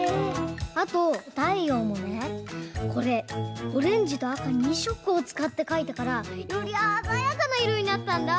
あとたいようもねこれオレンジとあか２しょくをつかってかいたからよりあざやかないろになったんだ！